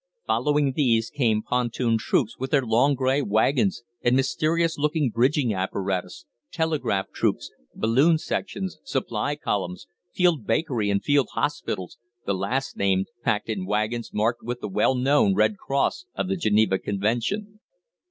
Following these came pontoon troops with their long grey waggons and mysterious looking bridging apparatus, telegraph troops, balloon sections, supply columns, field bakery, and field hospitals, the last named packed in waggons marked with the well known red cross of the Geneva Convention.